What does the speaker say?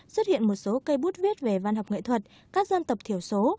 xuất hiện một số cây bút viết về văn học nghệ thuật các dân tộc thiểu số